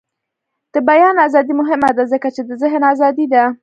د بیان ازادي مهمه ده ځکه چې د ذهن ازادي ده.